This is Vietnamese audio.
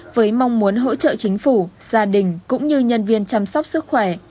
với mong muốn hỗ trợ chính phủ gia đình cũng như nhân viên chăm sóc sức khỏe